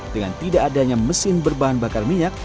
dengan tidak adanya mesin berbahan bakar minyak